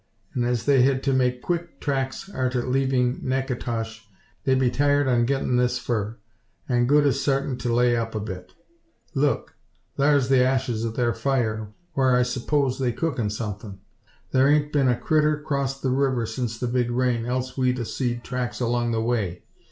An' as they hed to make quick tracks arter leavin' Naketosh, they'd be tired on gettin' this fur, an' good as sartin to lay up a bit. Look! thar's the ashes o' thar fire, whar I 'spose they cooked somethin'. Thar hain't been a critter crossed the river since the big rain, else we'd a seed tracks along the way.